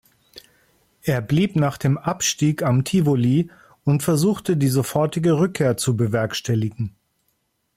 Er blieb nach dem Abstieg am Tivoli und versuchte die sofortige Rückkehr zu bewerkstelligen.